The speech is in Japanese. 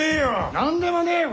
何でもねえよ